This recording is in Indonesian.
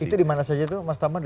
itu dimana saja tuh mas taman